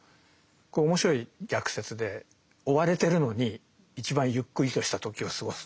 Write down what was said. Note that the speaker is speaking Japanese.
これ面白い逆説で追われてるのに一番ゆっくりとした時を過ごすんです。